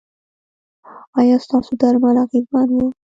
ایا ستاسو درمل اغیزمن وو؟